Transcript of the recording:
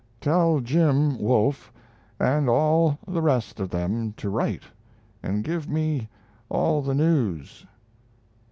Tell Jim (Wolfe) and all the rest of them to write, and give me all the news....